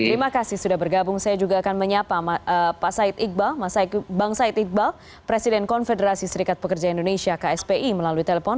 terima kasih sudah bergabung saya juga akan menyapa pak said iqbal presiden konfederasi serikat pekerja indonesia kspi melalui telepon